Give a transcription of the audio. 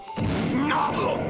なっ！